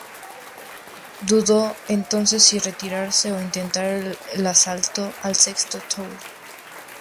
Dudó entonces si retirarse o intentar el asalto al sexto Tour.